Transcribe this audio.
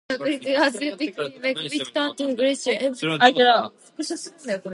Handbook of Manufacturing Engineering and Technology.